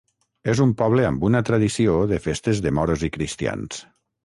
És un poble amb una tradició de festes de moros i cristians.